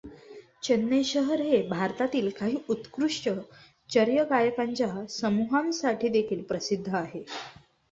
चेन्नई शहर हे भारतातील काही उत्कृष्ठ चर्चगायकांच्या समूहांसाठीदेखिल प्रसिद्ध आहे.